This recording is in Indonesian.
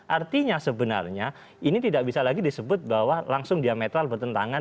artinya sebenarnya ini tidak bisa lagi disebut bahwa langsung diametral bertentangan